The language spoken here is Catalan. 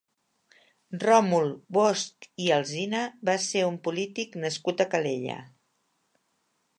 Ròmul Bosch i Alsina va ser un polític nascut a Calella.